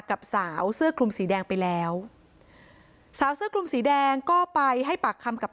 กับสาวเสื้อคลุมสีแดงไปแล้วสาวเสื้อคลุมสีแดงก็ไปให้ปากคำกับ